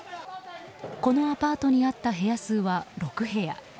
このアパートにあった部屋数は６部屋。